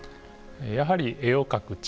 やはり絵を描く力